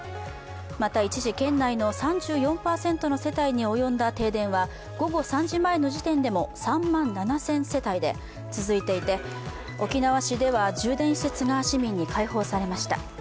また、一時県内の３４％の世帯に及んだ停電は午後３時前の時点でも３万７０００世帯で、続いて沖縄市では充電施設が市民に解放されました。